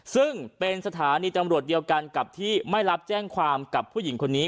ซึ่งเป็นสถานีตำรวจเดียวกันกับที่ไม่รับแจ้งความกับผู้หญิงคนนี้